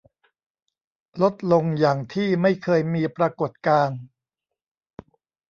ลดลงอย่างที่ไม่เคยมีปรากฏการณ์